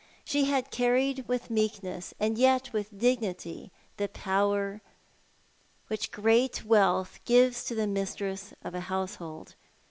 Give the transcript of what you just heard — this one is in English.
Slie had carried with meekness, and yet with dignity, the power which great wealth gives to tlie mistress of a household.